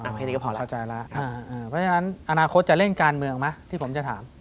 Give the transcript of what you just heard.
เพราะฉะนั้นอนาคตจะเล่นการเมืองไหมที่ผมจะถาม